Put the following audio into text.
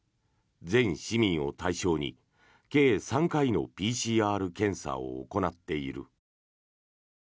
全市民を対象に計３回のＰＣＲ検査を行っている。